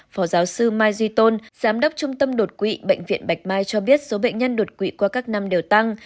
phó giáo sư mai duy tôn giám đốc trung tâm đột quỵ bệnh viện bạch mai cho biết số bệnh nhân đột quỵ qua các năm đều tăng